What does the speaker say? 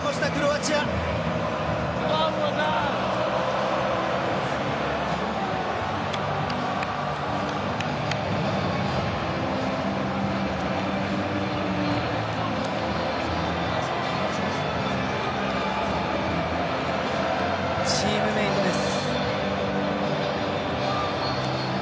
チームメートです。